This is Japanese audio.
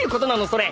それ！